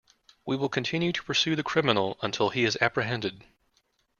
We will continue to pursue the criminal until he is apprehended.